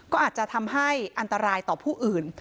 ก็อาจจะทำให้อันตรายต่อผู้อื่น